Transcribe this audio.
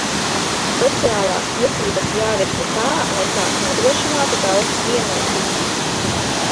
Sociālās tiesības jāvirza tā, lai tās nodrošinātu tautas vienotību.